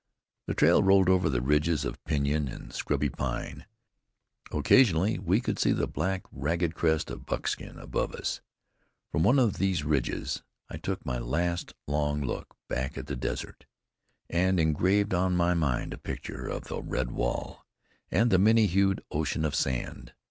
The trail rolled over the ridges of pinyon and scrubby pine. Occasionally we could see the black, ragged crest of Buckskin above us. From one of these ridges I took my last long look back at the desert, and engraved on my mind a picture of the red wall, and the many hued ocean of sand.